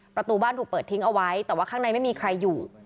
ประตูบ้านถูกเปิดทิ้งเอาไว้แต่ว่าข้างในไม่มีใครอยู่